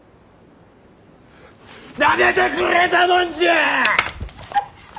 なめてくれたもんじゃ！